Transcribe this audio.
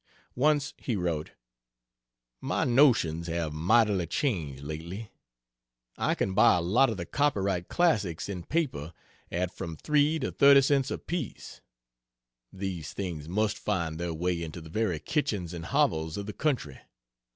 Once he wrote: "My notions have mightily changed lately.... I can buy a lot of the copyright classics, in paper, at from three to thirty cents apiece. These things must find their way into the very kitchens and hovels of the country.....